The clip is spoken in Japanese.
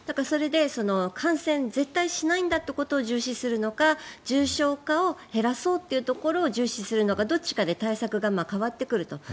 それで感染、絶対しないんだってことを重視するのか重症化を減らそうというところを重視するのかどちらかで対策が変わってくると。